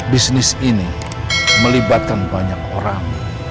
bisnis ini melibatkan banyak orang